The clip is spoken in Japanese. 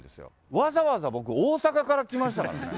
わざわざ僕、大阪から来ましたからね。